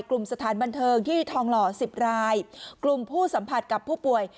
สถานบันเทิงที่ทองหล่อสิบรายกลุ่มผู้สัมผัสกับผู้ป่วย